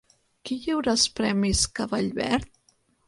Qui lliura els Premis Cavall Verd?